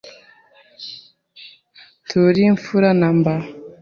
Nturi imfura namba